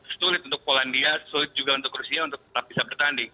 sulit untuk polandia sulit juga untuk rusia untuk tetap bisa bertanding